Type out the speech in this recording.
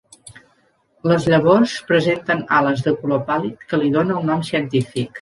Les llavors presenten ales de color pàl·lid que li dóna el nom científic.